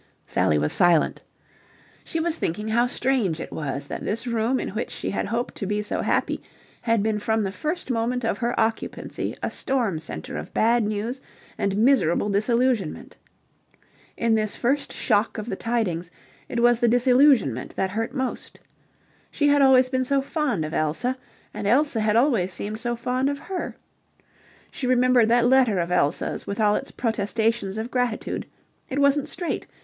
Sally was silent. She was thinking how strange it was that this room in which she had hoped to be so happy had been from the first moment of her occupancy a storm centre of bad news and miserable disillusionment. In this first shock of the tidings, it was the disillusionment that hurt most. She had always been so fond of Elsa, and Elsa had always seemed so fond of her. She remembered that letter of Elsa's with all its protestations of gratitude... It wasn't straight.